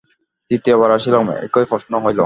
তৃতীয়বার আসিলাম, একই প্রশ্ন হইল।